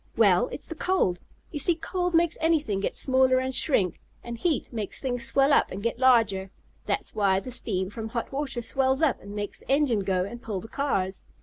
Well, it's the cold. You see cold makes anything get smaller and shrink, and heat makes things swell up, and get larger. That's why the steam from hot water swells up and makes the engine go, and pull the cars.